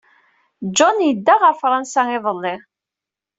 John yedda ɣer Fṛansa iḍelli.